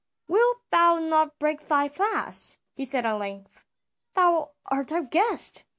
"Wilt thou not break thy fast?" he said at length. "Thou art our guest."